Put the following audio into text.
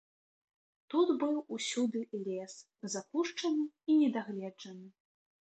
Тут быў усюды лес, запушчаны і недагледжаны.